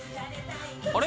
「あれ？」